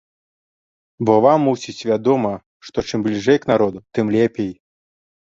Бо вам, мусіць, вядома, што чым бліжэй к народу, тым лепей!